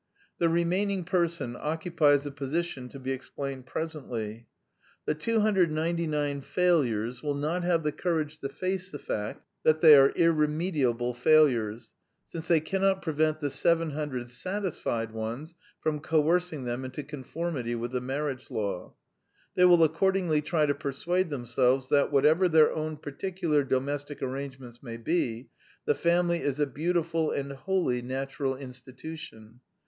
The remaining person occupies a position to be explained presently. The 299 failures will not have the courage to face the fact that they are irremediable failures, since they cannot prevent the 700 satisfied ones from coercing them into conformity with the marriage law. They will ac cordingly try to persuade themselves that, what ever their own particular domestic arrangements may be, the family is a beautiful and holy natural institution.